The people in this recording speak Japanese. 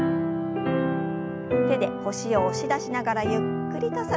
手で腰を押し出しながらゆっくりと反らせます。